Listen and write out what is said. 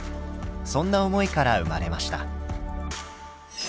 そんな思いから生まれました。